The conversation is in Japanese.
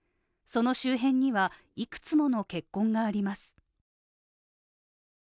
その周辺にはいくつもの血痕があります。